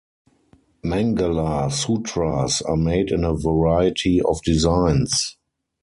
Mangala sutras are made in a variety of designs.